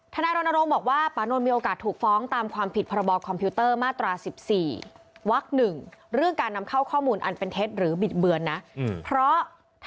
ธนารณรงค์บอกว่าป่านนท์มีโอกาสถูกฟ้องตามความผิดพระบอบคอมพิวเตอร์มาตรา๑๔